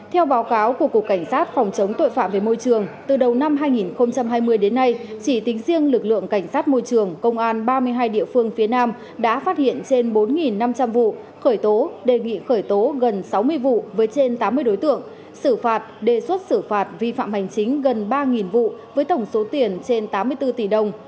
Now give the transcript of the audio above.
theo báo cáo của cục cảnh sát phòng chống tội phạm về môi trường từ đầu năm hai nghìn hai mươi đến nay chỉ tính riêng lực lượng cảnh sát môi trường công an ba mươi hai địa phương phía nam đã phát hiện trên bốn năm trăm linh vụ khởi tố đề nghị khởi tố gần sáu mươi vụ với trên tám mươi đối tượng xử phạt đề xuất xử phạt vi phạm hành chính gần ba vụ với tổng số tiền trên tám mươi bốn tỷ đồng